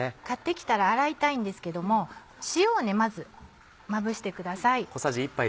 買って来たら洗いたいんですけども塩をまずまぶしてください。